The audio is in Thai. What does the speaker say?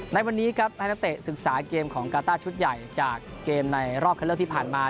ในวันนี้ครับให้นักเตะศึกษาเกมของกาต้าชุดใหญ่จากเกมในรอบคันเลือกที่ผ่านมา